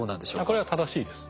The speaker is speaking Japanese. これは正しいです。